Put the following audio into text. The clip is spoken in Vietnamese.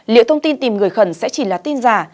liệu thông tin tìm người khẩn sẽ chỉ là tin giả